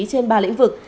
trên ba lĩnh vực